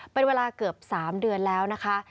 เป็นเวลาเกือบ๓เดือนแล้วนะคะ